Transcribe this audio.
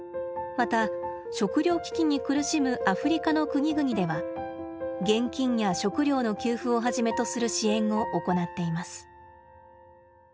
また食料危機に苦しむアフリカの国々では現金や食料の給付をはじめとする支援を行っています。